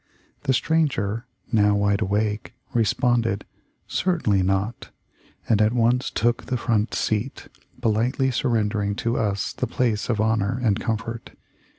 The stranger, now wide awake, responded, 'Certainly not,' and at once took the front seat, politely surrendering to us the place of honor and comfort.